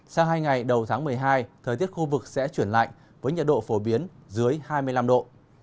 sang hai ngày đầu tháng một mươi hai thời tiết khu vực sẽ chuyển lạnh với nhiệt độ phổ biến dưới hai mươi năm độ